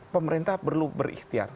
pemerintah perlu berikhtiar